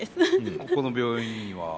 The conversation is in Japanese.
ここの病院には？